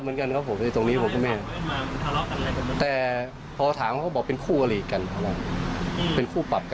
เขามาเขามีปัญหาอะไรกันแล้วก่อนหรือไม่เหมือนที่ล็อก